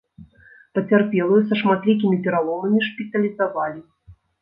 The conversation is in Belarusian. Пацярпелую са шматлікімі пераломамі шпіталізавалі.